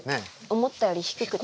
思ったより低くて。